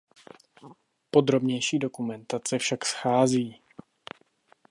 Podrobnější dokumentace však schází.